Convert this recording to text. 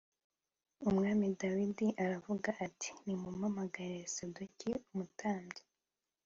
Umwami Dawidi aravuga ati “Nimumpamagarire Sadoki umutambyi